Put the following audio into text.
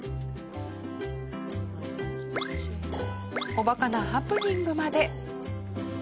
おバカなハプニングまで。